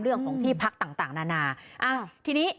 เรื่องของที่พักต่างนานาทีนี้